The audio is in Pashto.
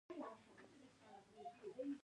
د هرات د ګوهردش بیګم مقبره د تیموري دورې ده